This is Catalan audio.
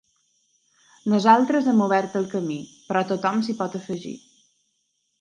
Nosaltres hem obert el camí, però tothom s’hi pot afegir.